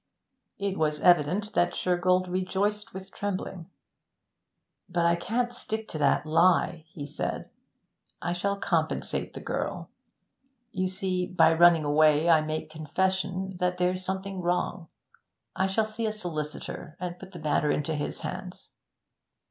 It was evident that Shergold rejoiced with trembling. 'But I can't stick to the lie.' he said. 'I shall compensate the girl. You see, by running away I make confession that there's something wrong. I shall see a solicitor and put the matter into his hands.'